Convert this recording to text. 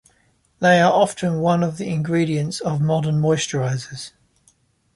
They are often one of the ingredients of modern moisturizers.